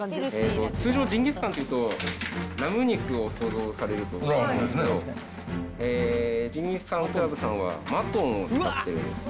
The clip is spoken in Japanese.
通常、ジンギスカンというと、ラム肉を想像されると思うんですけど、じんぎすかんクラブさんは、マトンを使っているんです。